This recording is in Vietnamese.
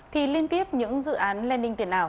thì liên tiếp những dự án landing tiền ảo